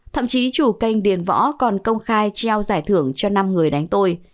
thậm chí chủ kênh điền võ còn công khai trao giải thưởng cho năm người đánh tôi